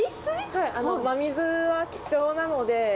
はい、真水は貴重なので。